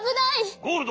ゴールド。